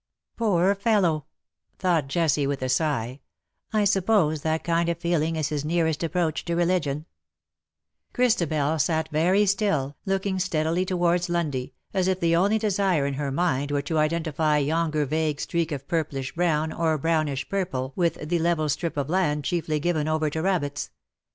WE DRAW NIGH THEE." 199 " Poor fellow/ ' thought Jessie,, with a sigh, " I suppose that kind of feeling is his nearest approach to religion/^ Christabel sat very still, looking steadily towards Lundy, as if the only desire in her mind were to identify yonder vague streak of purplish brown or brownish purple with the level strip of land chiefly given over to rabbits.